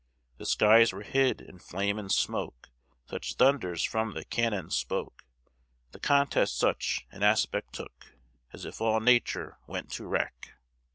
The skies were hid in flame and smoke, Such thunders from the cannon spoke, The contest such an aspect took As if all nature went to wreck!